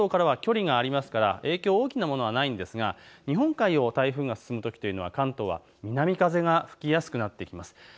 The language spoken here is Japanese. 関東からは距離がありますから影響、大きなものはないんですが、日本海を台風が進むときというのは関東は南風が吹きやすくなってきます。